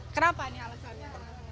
kenapa nih alasannya